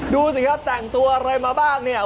ดูสิครับแต่งตัวอะไรมาบ้างเนี่ย